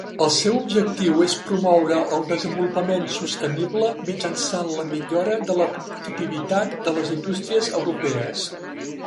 El seu objectiu és promoure el desenvolupament sostenible mitjançant la millora de la competitivitat de les indústries europees.